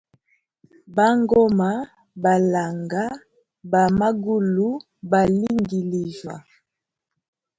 Bangoma balanga, ba magulu balingilijya.